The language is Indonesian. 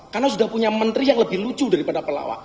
karena sudah punya menteri yang lebih lucu daripada pelawak